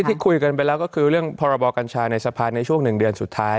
ที่คุยกันไปแล้วก็คือเรื่องพรบกัญชาในสภาในช่วง๑เดือนสุดท้าย